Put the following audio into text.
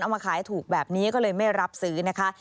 มาขายถูกแบบนี้ก็เลยไม่รับซื้อนะคะ